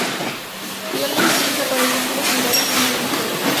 Igualmente se utiliza para el cultivo celular y en microbiología.